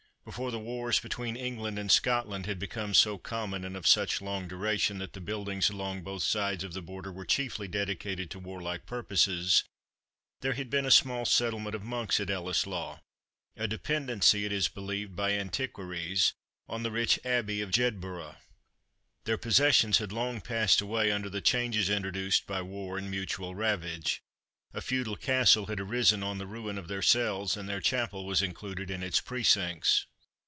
Before the wars between England and Scotland had become so common and of such long duration, that the buildings along both sides of the Border were chiefly dedicated to warlike purposes, there had been a small settlement of monks at Ellieslaw, a dependency, it is believed by antiquaries, on the rich Abbey of Jedburgh. Their possessions had long passed away under the changes introduced by war and mutual ravage. A feudal castle had arisen on the ruin of their cells, and their chapel was included in its precincts.